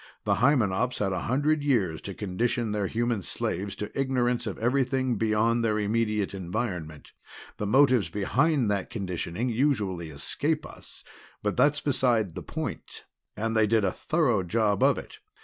The Hymenops had a hundred years to condition their human slaves to ignorance of everything beyond their immediate environment the motives behind that conditioning usually escape us, but that's beside the point and they did a thorough job of it.